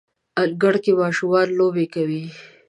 انګړ کې ماشومان لوبې کوي